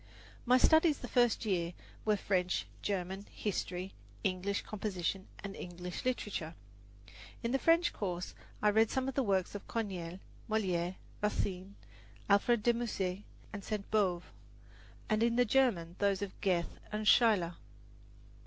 My studies the first year were French, German, history, English composition and English literature. In the French course I read some of the works of Corneille, Moliere, Racine, Alfred de Musset and Sainte Beuve, and in the German those of Goethe and Schiller.